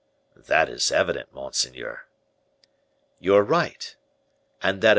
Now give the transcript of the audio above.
"That is evident, monseigneur." "You are right. And that of M.